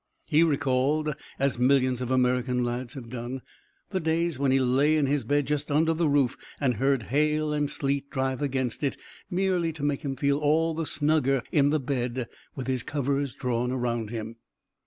He recalled, as millions of American lads have done, the days when he lay in his bed just under the roof and heard hail and sleet drive against it, merely to make him feel all the snugger in the bed with his covers drawn around him.